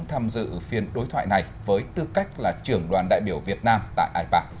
tham dự phiên đối thoại này với tư cách là trưởng đoàn đại biểu việt nam tại ipa